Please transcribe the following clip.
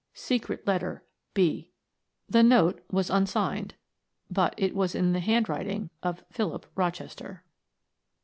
Secrete letter "B." The note was unsigned but it was in the handwriting of Philip Rochester.